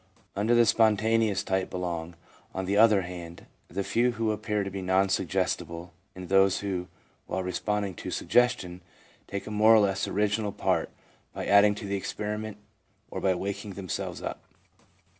Under the spontaneous type belong, on the other hand, the few who appear to be non suggestible and those who, while responding to suggestion, take a more or less original part by adding to the experiment or by waking themselves up.